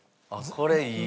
これいい！